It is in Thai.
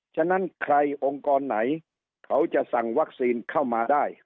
ฉะนั้นใครองค์กรไหนเขาจะสั่งวัคซีนเข้ามาได้